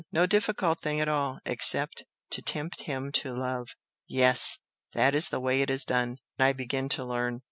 no difficult thing at all, except to tempt him to love! Yes! That is the way it is done! I begin to learn!